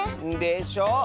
でしょ？